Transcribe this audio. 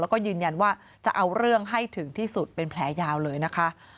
แล้วก็ยืนยันว่าจะเอาเรื่องให้ถึงที่สุดเป็นแผลยาวเลยนะคะ